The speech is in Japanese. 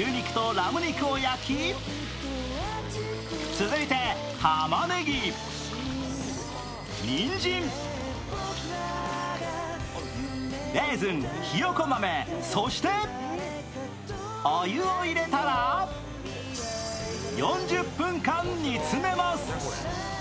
続いてたまねぎ、にんじん、レーズン、ひよこ豆そして、お湯を入れたら４０分間煮詰めます。